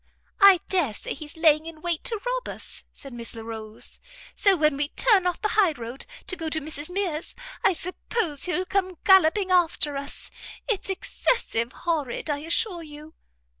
"I dare say he's laying in wait to rob us," said Miss Larolles; "so when we turn off the high road, to go to Mrs Mears, I suppose he'll come galloping after us. It's excessive horrid, I assure you."